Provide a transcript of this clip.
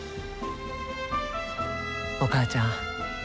お母ちゃん